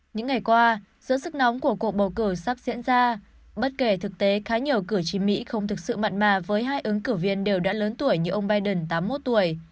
những ngày qua giữa sức nóng của cuộc bầu cử sắp diễn ra bất kể thực tế khá nhiều cử tri mỹ không thực sự mặn mà với hai ứng cử viên đều đã lớn tuổi như ông biden tám mươi một tuổi